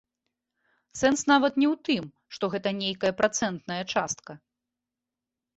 Сэнс нават не ў тым, што гэта нейкая працэнтная частка.